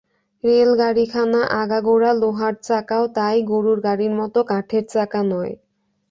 রেলগাড়িখানা আগাগোড়া লোহার, চাকাও তাই-গরুর গাড়ির মতো কাঠের চাকা নয়।